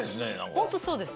ホントそうです。